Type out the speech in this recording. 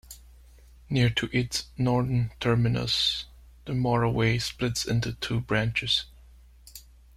Near to its northern terminus, the motorway splits into two branches.